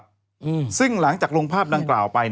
กำลังซ่อมอยู่ครับซึ่งหลังจากลงภาพดังกล่าวไป